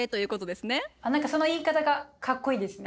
何かその言い方がかっこいいですね。